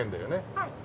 はい。